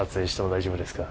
大丈夫ですか？